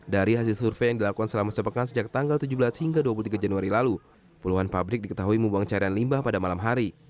dari hasil survei yang dilakukan selama sepekan sejak tanggal tujuh belas hingga dua puluh tiga januari lalu puluhan pabrik diketahui membuang cairan limbah pada malam hari